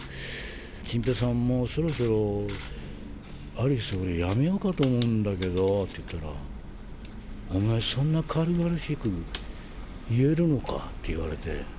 チンペイさん、もうそろそろアリス、俺、辞めようかと思うんだけどって言ったら、お前、そんな軽々しく言えるのかって言われて。